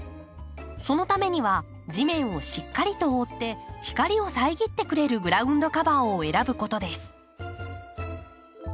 そのためには地面をしっかりと覆って光を遮ってくれるグラウンドカバーを選ぶことです。